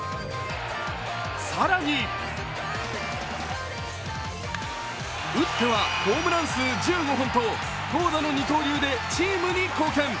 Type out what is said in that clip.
更に打ってはホームラン数１５本と投打の二刀流でチームに貢献。